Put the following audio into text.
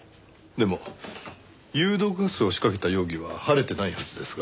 でも有毒ガスを仕掛けた容疑は晴れてないはずですが。